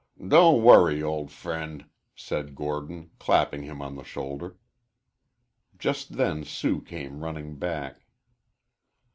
"Don't worry, old friend," said Gordon, clapping him on the shoulder. Just then Sue came running back.